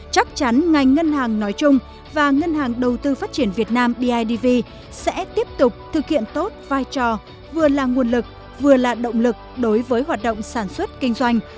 chắc chắn ngành ngân hàng nói chung và ngân hàng đầu tư phát triển việt nam bidv sẽ tiếp tục thực hiện tốt vai trò vừa là nguồn lực vừa là động lực đối với hoạt động sản xuất kinh doanh